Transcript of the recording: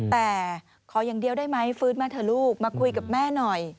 แต่ขออย่างเดียวได้ไหมฟื้นมาเถอะลูกมาคุยกับแม่หน่อย